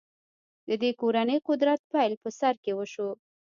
د دې کورنۍ قدرت پیل په سر کې وشو.